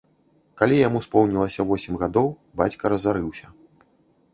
Калі яму споўнілася восем гадоў, бацька разарыўся.